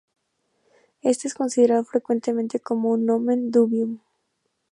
Este es considerado frecuentemente como un "nomen dubium".